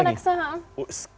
nantinya next sehari